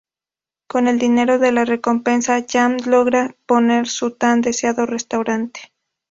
Con el dinero de la recompensa Jam logra poner su tan deseado restaurante.